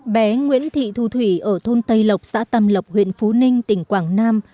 bé nguyễn thị thu thủy ở thôn tây lộc xã tàm lộc huyện phú ninh tỉnh quảng nam